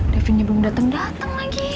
davinnya belum dateng dateng lagi